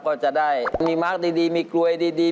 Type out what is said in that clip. ก็จะได้มีมาร์คดีมีกลวยดี